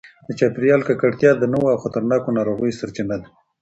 د چاپیریال ککړتیا د نویو او خطرناکو ناروغیو سرچینه ده.